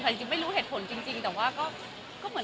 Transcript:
ก็เหมือนชั่นต้าของหนู